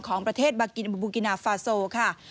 ของประเทศบุกินาฟาโซค่ะ